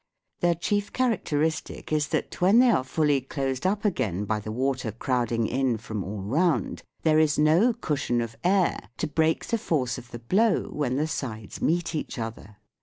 Their chief characteristic is that, when they are fully closed up again by the water crowding in from all round, there is no cushion of air to break the force of the blow when the sides meet each other.